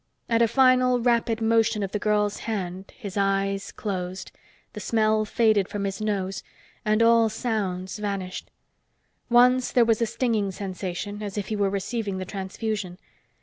At a final rapid motion of the girl's hand his eyes closed, the smell faded from his nose and all sounds vanished. Once there was a stinging sensation, as if he were receiving the transfusion.